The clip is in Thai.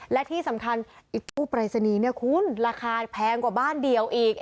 และที่สำคัญไอ้ตู้ปรายศนีย์เนี่ยคุณราคาแพงกว่าบ้านเดี่ยวอีก